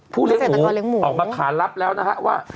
เลี้ยงหมูออกมาขารับแล้วนะฮะว่า